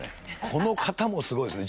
この方もすごいですね。